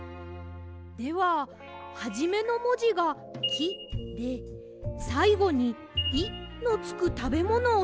でははじめのもじが「き」でさいごに「い」のつくたべものをさがせばいいわけですね。